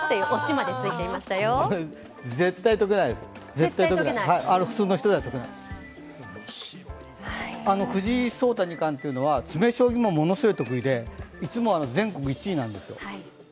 絶対解けないです、普通の人では藤井聡太二冠というのは詰め将棋もものすごく得意で、いつも全国１位なんですよ。